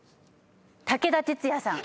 武田鉄矢さん。